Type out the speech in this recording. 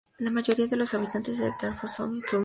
La mayoría de los habitantes de Darfur son musulmanes.